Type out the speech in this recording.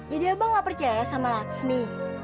jadi abang nggak percaya sama raksmi